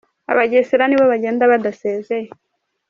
abagesera nibo bagenda badasezeye